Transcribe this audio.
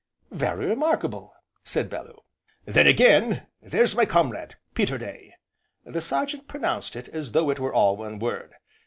"Very remarkable!" said Bellew. "Then again, there's my comrade, Peter Day (The Sergeant pronounced it as though it were all one word).